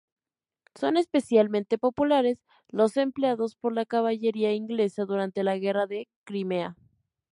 Son especialmente populares los empleados por la caballería inglesa durante la Guerra de Crimea.